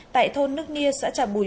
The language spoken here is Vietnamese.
tại thôn nước nia xã trà bùi